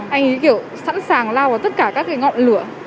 anh kiểu sẵn sàng lao vào tất cả các cái ngọn lửa